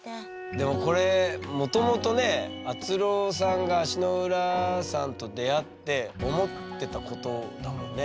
でもこれもともとねあつろーさんが足の裏さんと出会って思ってたことだもんね。